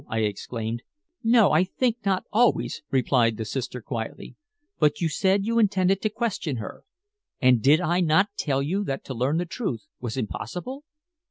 I exclaimed. "No. I think not always," replied the sister quietly. "But you said you intended to question her, and did I not tell you that to learn the truth was impossible?"